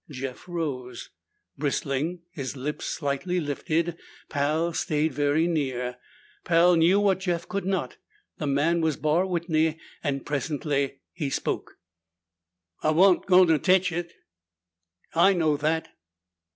Jeff rose. Bristling, his lips slightly lifted, Pal stayed very near. Pal knew what Jeff could not; the man was Barr Whitney and presently he spoke. "I wa'nt goin' to tetch it." "I know that."